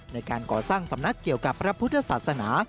ในการก่อสร้างสำนักเกี่ยวกับพระพุทธศาสนา